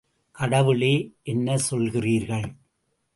கடவுளே என்ன சொல்கிறீர்கள்.